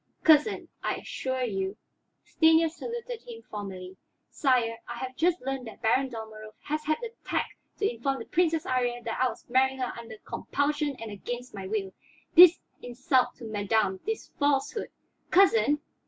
"Cousin, I assure you " Stanief saluted him formally. "Sire, I have just learned that Baron Dalmorov has had the tact to inform the Princess Iría that I was marrying her under compulsion and against my will. This insult to madame, this falsehood " "Cousin!"